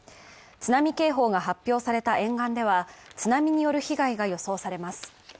津波警報が発表された沿岸では、津波による被害が予想されます。